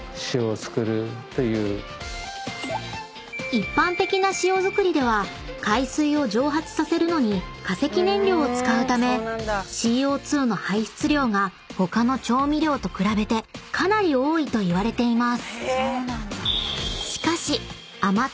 ［一般的な塩づくりでは海水を蒸発させるのに化石燃料を使うためＣＯ２の排出量が他の調味料と比べてかなり多いといわれています］